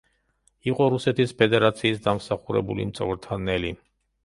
იყო რუსეთის ფედერაციის დამსახურებული მწვრთნელი.